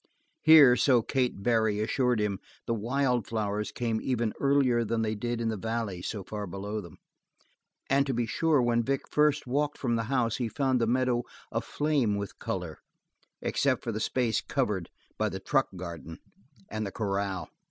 Here, so Kate Barry assured him, the wild flowers came even earlier than they did in the valley so far below them, and to be sure when Vic first walked from the house he found the meadow aflame with color except for the space covered by the truck garden and the corral.